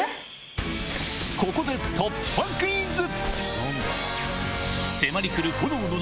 ここで突破クイズ！